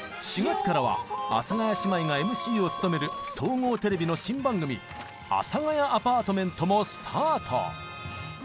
４月からは阿佐ヶ谷姉妹がＭＣを務める総合テレビの新番組「阿佐ヶ谷アパートメント」もスタート！